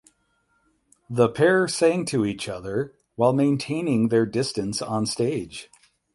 The pair sang to each other while maintaining their distance on stage.